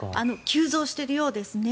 急増しているようですね。